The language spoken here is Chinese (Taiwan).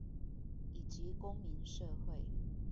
以及公民社會